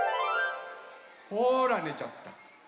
ほらねちゃった。